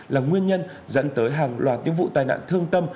là nguyên nhân dẫn tới hàng loạt những vụ tai nạn thương tâm